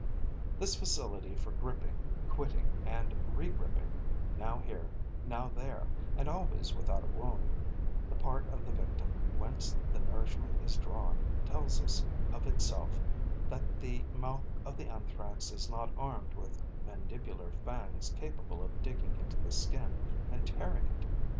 This facility for gripping, quitting and regripping, now here, now there and always without a wound, the part of the victim whence the nourishment is drawn tells us of itself that the mouth of the Anthrax is not armed with mandibular fangs capable of digging into the skin and tearing it.